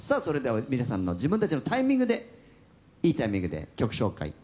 それでは皆さんの自分たちのタイミングでいいタイミングで曲紹介